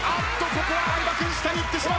ここは相葉君下に行ってしまった！